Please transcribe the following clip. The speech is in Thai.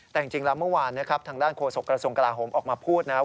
แต่จริงแล้วเมื่อวานนะครับทางด้านโฆษกระทรวงกลาโหมออกมาพูดนะครับ